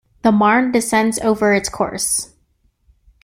The Marne descends over its course.